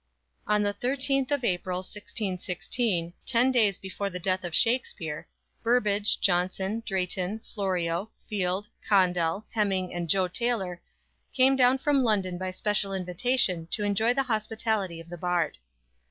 "_ On the 13th of April, 1616, ten days before the death of Shakspere, Burbage, Jonson, Drayton, Florio, Field, Condell, Heming and Jo Taylor came down from London by special invitation to enjoy the hospitality of the Bard.